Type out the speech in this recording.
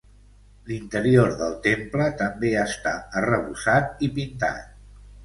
L'interior del temple també està arrebossat i pintat.